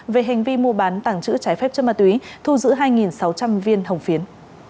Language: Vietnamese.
về hành vi mua bán tàng trữ trái phép cho ma túy thu giữ hai sáu trăm linh viên hồng phiến